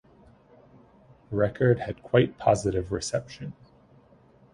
Record had quite positive reception.